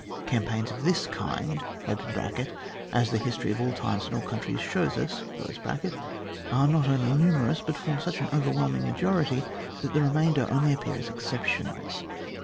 Campaigns of this kind (as the history of all times and all countries shows us) are not only numerous, but form such an overwhelming majority, that the remainder only appear as exceptions.